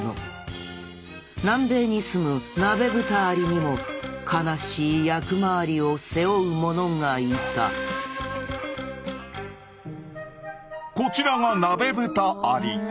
南米にすむナベブタアリにも悲しい役回りを背負うものがいたこちらがナベブタアリ。